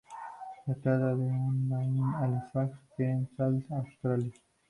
Se trata de una bahía Halifax en Queensland, Australia.